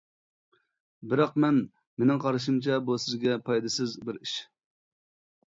بىراق مەن مېنىڭ قارىشىمچە بۇ سىزگە پايدىسىز بىر ئىش.